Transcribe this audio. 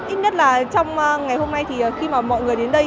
ít nhất là trong ngày hôm nay thì khi mà mọi người đến đây